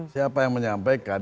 siapa yang menyampaikan